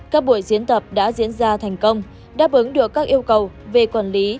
các buổi diễn tập đã diễn ra thành công đáp ứng được các yêu cầu về quản lý